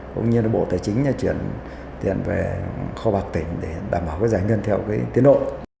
cũng như bộ tài chính chuyển tiền về kho bạc tỉnh để đảm bảo giải ngân theo tiến độ